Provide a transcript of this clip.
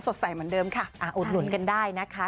สดใสเหมือนเดิมค่ะอุดหนุนกันได้นะคะ